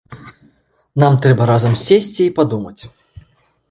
Нам трэба разам сесці і падумаць.